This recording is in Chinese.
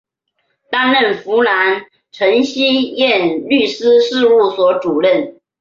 担任湖南秦希燕律师事务所主任。